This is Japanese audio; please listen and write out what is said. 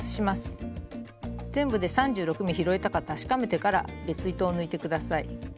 全部で３６目拾えたか確かめてから別糸を抜いて下さい。